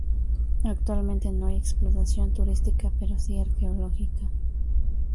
Actualmente, no hay explotación turística pero sí arqueológica.